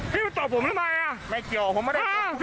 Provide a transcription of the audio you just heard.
พี่มาตอบผมล่ะไงอ่ะไม่เกี่ยว